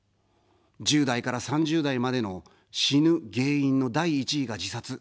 １０代から３０代までの、死ぬ原因の第１位が自殺。